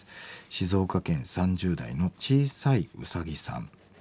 静岡県３０代の小さいウサギさん。